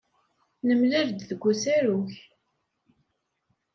Nemlal-d deg usarug.